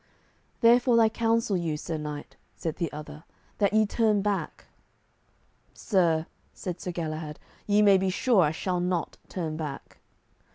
"Therefore I counsel you, sir knight," said the other, "that ye turn back." "Sir," said Sir Galahad, "ye may be sure I shall not turn back."